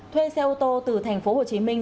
thuê xe ô tô từ thành phố hồ chí minh